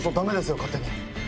勝手に。